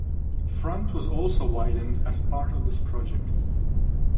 Front was also widened as part of this project.